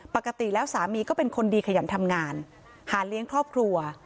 ปกติแล้วสามีก็เป็นคนดีขยันทำงานหาเลี้ยงครอบครัว